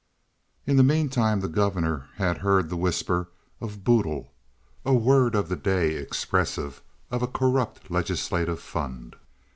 In the mean time the governor had heard the whisper of "boodle"—a word of the day expressive of a corrupt legislative fund.